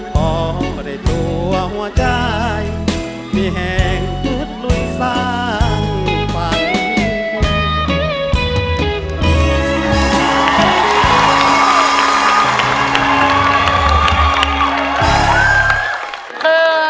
พอได้ตัวหัวใจมีแหงตืดหลุดสังฝั่งความรู้สึกใหม่